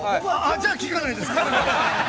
◆じゃあ聞かないです。